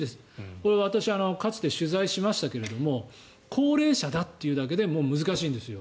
これ、私かつて取材しましたが高齢者だというだけでもう難しいんですよ。